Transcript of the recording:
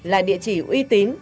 là địa chỉ uy tín